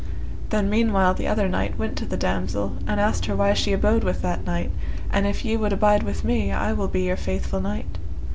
The meanwhile the other knight went to the damosel, and asked her why she abode with that knight, and if ye would abide with me, I will be your faithful knight.